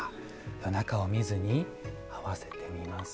中を見ずに合わせてみます。